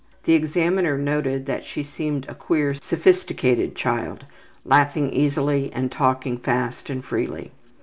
The examiner noted that she seemed a queer, sophisticated child, laughing easily and talking fast and freely.